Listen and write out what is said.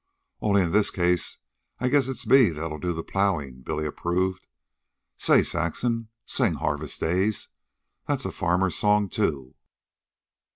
"Only in this case I guess it's me that'll do the plowin'," Billy approved. "Say, Saxon, sing 'Harvest Days.' That's a farmer's song, too."